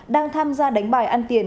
đang tham gia đánh bài ăn tiền